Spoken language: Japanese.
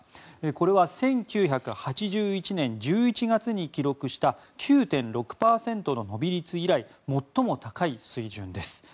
これは１９８１年１１月に記録した９．６％の伸び率以来最も高い水準です。